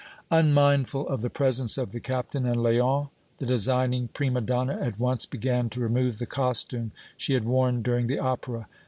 Unmindful of the presence of the Captain and Léon, the designing prima donna at once began to remove the costume she had worn during the opera.